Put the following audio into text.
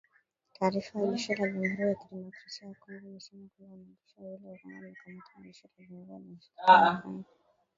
Taarifa ya jeshi la Jamuhuri ya kidemokrasia ya kongo imesema kwamba wanajeshi wawili wa Rwanda wamekamatwa na jeshi la jamuhuri ya kidemokrasia ya Kongo